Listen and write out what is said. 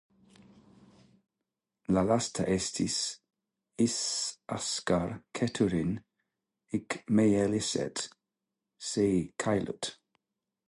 La lasta estis "Isaskar Keturin ihmeelliset seikkailut".